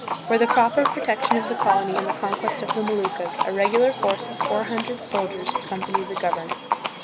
For the proper protection of the colony and the conquest of the Moluccas, a regular force of four hundred soldiers ac companied the governor.